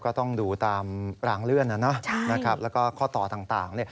ก็ต้องดูตามรางเลื่อนแล้วก็ข้อต่อต่าง